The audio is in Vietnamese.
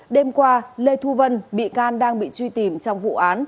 đêm qua lê thu vân bị can đang bị truy tìm trong vụ án